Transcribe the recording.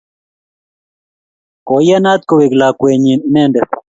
Koiyanat kowek lakwennyi inendet.